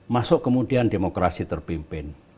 masuk kemudian demokrasi terpimpin